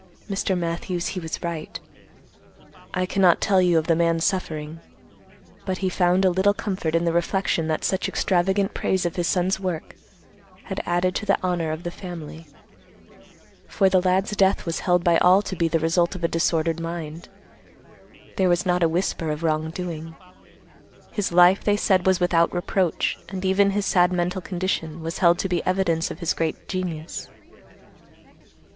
Mr. Matthews, he was right. I cannot tell you of the man's suffering, but he found a little comfort in the reflection that such extravagant praise of his son's work had added to the honor of the family, for the lad's death was held by all to be the result of a disordered mind. There was not a whisper of wrong doing. His life, they said, was without reproach, and even his sad mental condition was held to be evidence of his great genius.